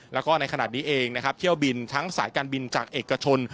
แล้วก็ในขณะนี้เองนะครับเที่ยวบินทั้งสายการบินจากเอกชน